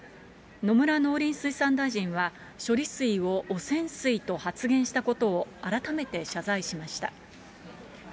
野村農林水産大臣は、処理水を汚染水と発言したことを改めて謝罪しました。